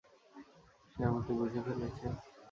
সে আমাকে বুঝে ফেলেছে।